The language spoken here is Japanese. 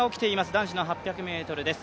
男子８００ｍです。